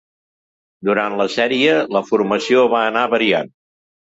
Durant la sèrie la formació va anar variant.